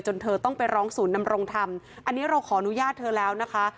เธอต้องไปร้องศูนย์นำรงธรรมอันนี้เราขออนุญาตเธอแล้วนะคะ